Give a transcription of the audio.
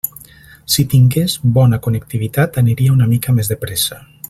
Si tingués bona connectivitat aniria una mica més de pressa.